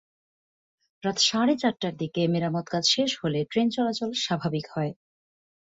রাত সাড়ে চারটার দিকে মেরামতকাজ শেষ হলে ট্রেন চলাচল স্বাভাবিক হয়।